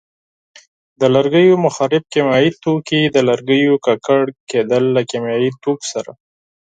د لرګیو مخرب کیمیاوي توکي: د لرګیو ککړ کېدل له کیمیاوي توکو سره.